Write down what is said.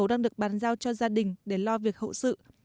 một số đang được bàn giao cho gia đình để lo việc hậu sự